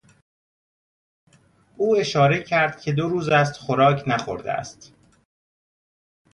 او اشاره کرد که دو روز است خوراک نخورده است.